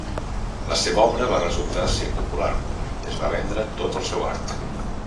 La seva obra va resultar ser popular i es va vendre tot el seu art.